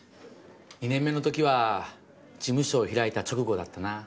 ２年目の時は事務所を開いた直後だったな。